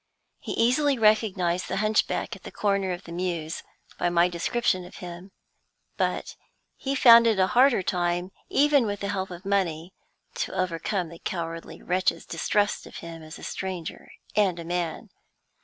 He easily recognized the hunchback at the corner of the Mews by my description of him; but he found it a hard matter, even with the help of money, to overcome the cowardly wretch's distrust of him as a stranger and a man.